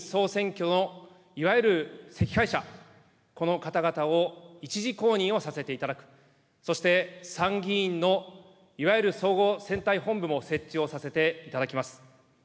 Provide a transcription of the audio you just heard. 年内には衆議院総選挙のいわゆる惜敗者、この方々を１次公認をさせていただく、そして参議院の、いわゆる総合選対本部も設置をさせていただきます。